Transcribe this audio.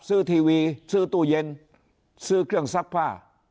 ทีวีซื้อตู้เย็นซื้อเครื่องซักผ้า